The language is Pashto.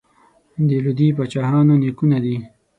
د لودي پاچاهانو نیکونه دي.